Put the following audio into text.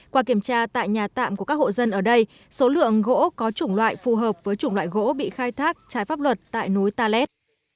qua kiểm tra tại nhà tạm của các hộ dân ở đây số lượng gỗ có chủng loại phù hợp với chủng loại gỗ bị khai thác trái pháp luật tại núi ta lét